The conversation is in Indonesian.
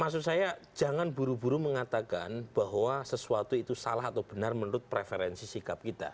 maksud saya jangan buru buru mengatakan bahwa sesuatu itu salah atau benar menurut preferensi sikap kita